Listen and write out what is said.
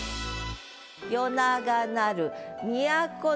「夜長なる都の」